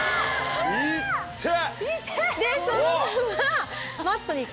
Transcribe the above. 痛ってぇ！